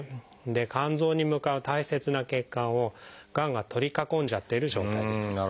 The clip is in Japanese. で肝臓に向かう大切な血管をがんが取り囲んじゃっている状態です。